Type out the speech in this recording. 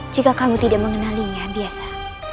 jika kamu tidak mengenalinya biasa